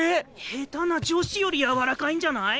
下手な女子より柔らかいんじゃない？